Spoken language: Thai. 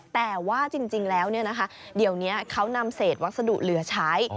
แต่ว่าจริงแล้วเนี่ยนะคะเดี๋ยวนี้เขานำเศษวักษณ์สะดุเหลือใช้